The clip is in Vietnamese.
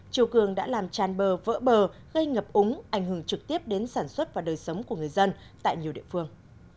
chiều cường đã làm tràn bờ vỡ bờ gây ngập úng ảnh hưởng trực tiếp đến sản xuất và đời sống của người dân tại nhiều địa phương